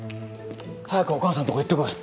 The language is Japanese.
早くお母さんとこ行ってこい。